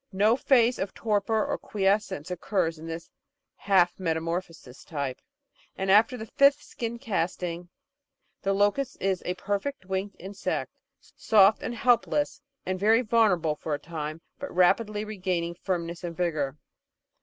No phase of torpor or quiescence occurs in this "half metamorphosis" type, and after the fifth skin casting the locust is a perfect, winged insect, soft and helpless and very vulnerable for a time, but rapidly regaining firmness and vigour.